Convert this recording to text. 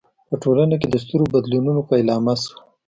په ټولنه کې د سترو بدلونونو پیلامه شوه.